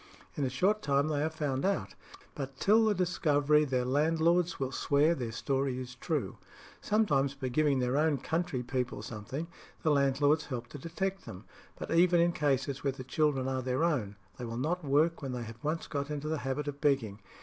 In a short time they are found out; but till the discovery their landlords will swear their story is true. Sometimes, by giving their own country people something, the landlords help to detect them. But even in cases where the children are their own, they will not work when they have once got into the habit of begging.